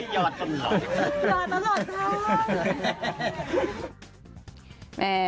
ยอดตลอด